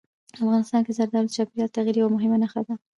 افغانستان کې زردالو د چاپېریال د تغیر یوه مهمه نښه ده.